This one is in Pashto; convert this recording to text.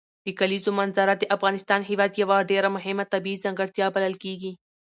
د کلیزو منظره د افغانستان هېواد یوه ډېره مهمه طبیعي ځانګړتیا بلل کېږي.